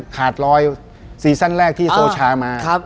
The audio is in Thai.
ขาดรอยซีซั่นแรกที่โซชามา